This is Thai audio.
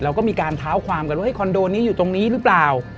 เราก็มีการเท้าความกันว่าคอนโดนี้อยู่ตรงนี้หรือเปล่า